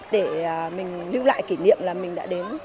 để mình lưu lại kỷ niệm là mình đã đến